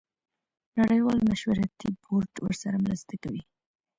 نړیوال مشورتي بورډ ورسره مرسته کوي.